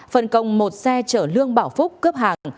phân công một xe chở lương bảo phúc cướp hàng